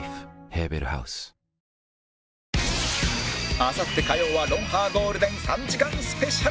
あさって火曜は『ロンハー』ゴールデン３時間スペシャル